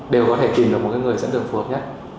đều có thể tìm được một người dẫn đường phù hợp nhất